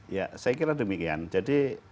ya saya kira demikian jadi